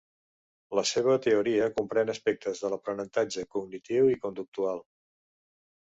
La seva teoria comprèn aspectes de l'aprenentatge cognitiu i conductual.